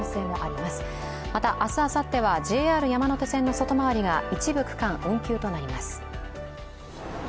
また、明日、あさってはＪＲ山手線の外回りが一部区間、運休となります。